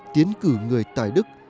tiến cử người tài đức